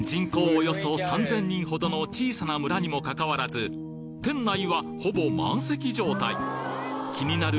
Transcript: およそ３０００人ほどの小さな村にもかかわらず店内はほぼ満席状態気になる